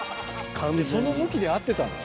その向きで合ってたの？